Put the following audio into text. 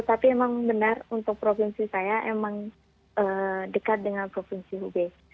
tapi memang benar untuk provinsi saya memang dekat dengan provinsi hubei